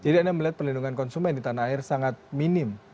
jadi anda melihat pelindungan konsumen di tanah air sangat minim